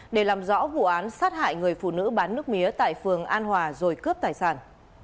để làm rõ vụ án sát hại người phụ nữ bán nước mía tại phường an hòa rồi cướp tài sản